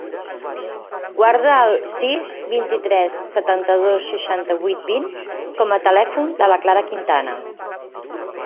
Guarda el sis, vint-i-tres, setanta-dos, seixanta-vuit, vint com a telèfon de la Clara Quintana.